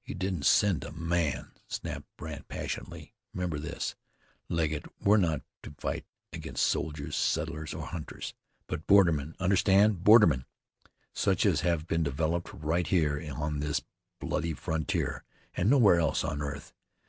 "He won't send a man," snapped Brandt passionately. "Remember this, Legget, we're not to fight against soldiers, settlers, or hunters; but bordermen understand bordermen! Such as have been developed right here on this bloody frontier, and nowhere else on earth.